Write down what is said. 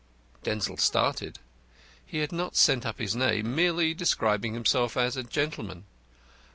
Denzil started. He had not sent up his name, merely describing himself as a gentleman.